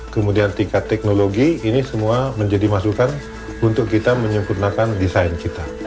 kemudian tingkat teknologi ini semua menjadi masukan untuk kita menyempurnakan desain kita